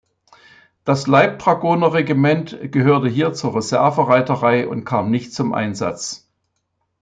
Das Leib-Dragoner-Regiment gehörte hier zur Reserve-Reiterei und kam nicht zum Einsatz.